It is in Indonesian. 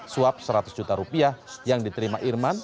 suap seratus juta rupiah yang diterima irman